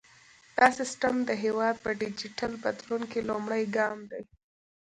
دا سیستم د هیواد په ډیجیټل بدلون کې لومړی ګام دی۔